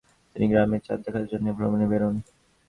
তিনি গ্রামে চাঁদ দেখার জন্য ভ্রমণে বেরোন।